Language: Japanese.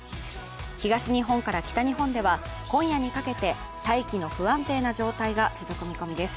東日本から北日本では、今夜にかけて大気の不安定な状態が続く見込みです。